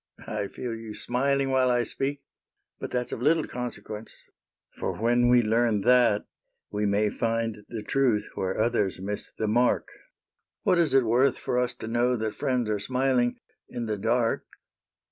I feel you smiling while I speak. But that 's of little consequence ; 154 SAINTE NITOUCHE '' For when we learn that we may find The truth where others miss the mark. What is it worth for us to know That friends are smiling in the dark